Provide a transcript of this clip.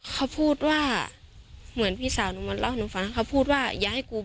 เค้าพูดว่าเหมือนพี่สาวมอนเล่านุมฟันเขาพูดว่าอย่าให้กู